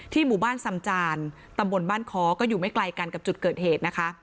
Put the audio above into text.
หมู่บ้านสำจานตำบลบ้านค้อก็อยู่ไม่ไกลกันกับจุดเกิดเหตุนะคะ